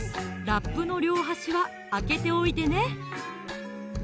ラップの両端は開けておいてね